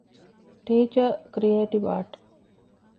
ޓީޗަރ - ކްރިއޭޓިވް އާރޓް